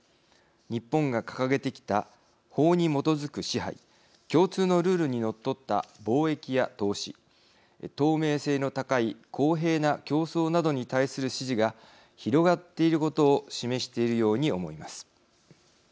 日本が掲げてきた法に基づく支配共通のルールにのっとった貿易や投資透明性の高い公平な競争などに対する支持が広がっていることを示しているように思います。